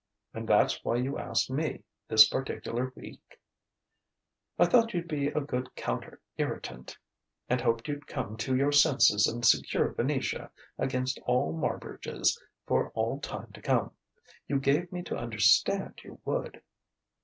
"And that's why you asked me, this particular week?" "I thought you'd be a good counter irritant; and hoped you'd come to your senses and secure Venetia against all Marbridges for all time to come. You gave me to understand you would."